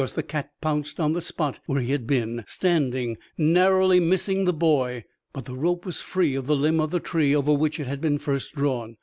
The cat pounced on the spot where he had been standing, narrowly missing the boy. But the rope was free of the limb of the tree over which it had been first drawn.